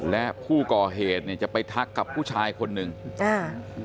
และผู้ก่อเหตุเนี่ยจะไปทักกับผู้ชายคนหนึ่งจ้า